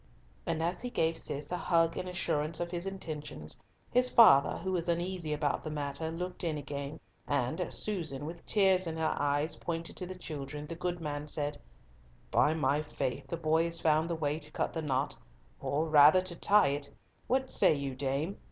And as he gave Cis a hug in assurance of his intentions, his father, who was uneasy about the matter, looked in again, and as Susan, with tears in her eyes, pointed to the children, the good man said, "By my faith, the boy has found the way to cut the knot—or rather to tie it. What say you, dame?